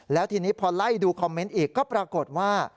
แล้วทีนี้พอไล่ดูคอมเมนต์อีกก็ปรากฏว่า